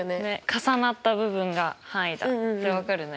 重なった部分が範囲だって分かるね。